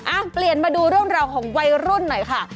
เปลี่ยนมาดูเรื่องราวของวัยรุ่นหน่อยค่ะ